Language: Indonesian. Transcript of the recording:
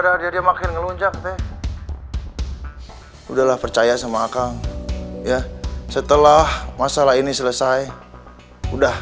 dari dia makin ngeluncang teh udah lah percaya sama akang ya setelah masalah ini selesai udah